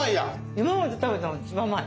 今まで食べたので一番甘い。